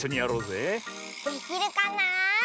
できるかな？